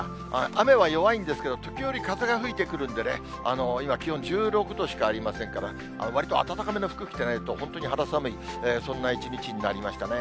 雨は弱いんですけれども、時折風が吹いてくるんでね、今、気温１６度しかありませんが、わりと温めの服着てないと、肌寒い、そんな一日になりましたね。